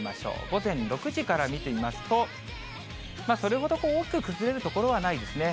午前６時から見てみますと、それほど多く崩れる所はないですね。